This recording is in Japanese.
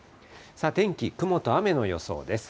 天気、雲と雨の予想です。